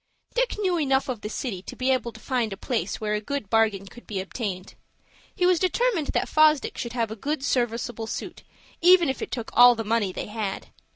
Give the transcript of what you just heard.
Dick knew enough of the city to be able to find a place where a good bargain could be obtained. He was determined that Fosdick should have a good serviceable suit, even if it took all the money they had.